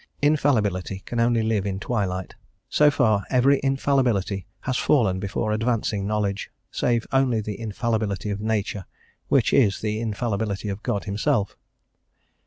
Infallibility can only live in twilight: so far, every infallibility has fallen before advancing knowledge, save only the infallibility of Nature, which is the infallibility of God Himself.